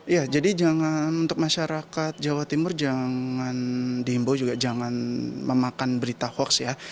ya jadi jangan untuk masyarakat jawa timur jangan dihimbau juga jangan memakan berita hoax ya